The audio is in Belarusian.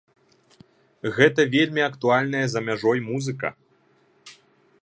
Гэта вельмі актуальная за мяжой музыка.